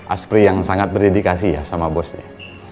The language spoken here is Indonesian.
aspri yang sangat berdedikasi ya sama bosnya